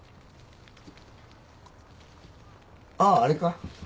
あああれか？